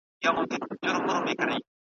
نه بچی وي د کارګه چاته منلی `